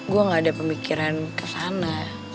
gue gak ada pemikiran kesana